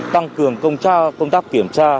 tăng cường công tác kiểm tra